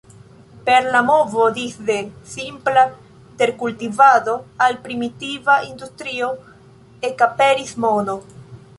Per la movo disde simpla terkultivado al primitiva industrio, ekaperis mono.